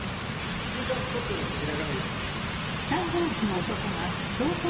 『週刊スポット』の白神です。